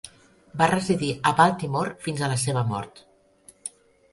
Va residir a Baltimore fins a la seva mort.